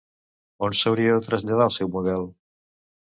On s'hauria de traslladar el seu model?